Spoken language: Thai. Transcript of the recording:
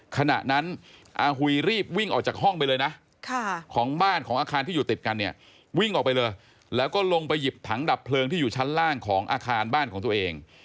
ขณะนั้นอาหุยรีบวิ่งออกจากห้องไปเลยนะของบ้านของอาคารที่อยู่ติดกันเนี่ยวิ่งออกไปเลยแล้วก็ลงไปหยิบถังดับเพลิงที่อยู่ชั้นล่างของอาคารบ้านของตัวเอง